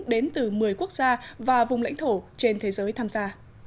đến từ một mươi quốc gia và vùng lãnh thổ trên thế giới tham gia